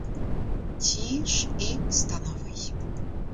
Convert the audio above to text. Ті ж і становий.